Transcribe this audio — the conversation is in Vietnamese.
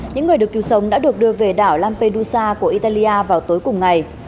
những người được cứu sống đã được đưa về đảo lampedusa của italia vào tối cùng ngày